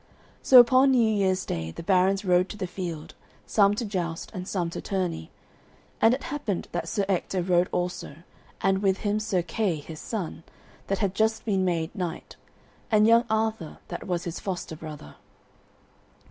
So upon New Year's Day the barons rode to the field, some to joust and some to tourney; and it happened that Sir Ector rode also, and with him Sir Kay, his son, that had just been made knight, and young Arthur that was his foster brother.